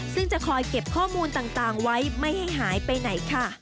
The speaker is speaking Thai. ซึ่งจะคอยเก็บข้อมูลต่างไว้ไม่ให้หายไปไหนค่ะ